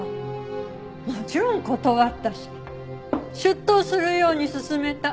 もちろん断ったし出頭するように勧めた。